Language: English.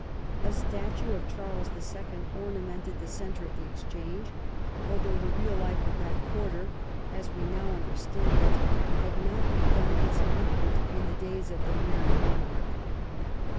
A statue of Charles the Second ornamented the centre of the Exchange, although the real life of that quarter, as we now understand it, had not begun its movement in the days of the Merry Monarch.